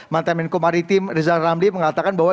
mantan menko maritim rizal ramli mengatakan bahwa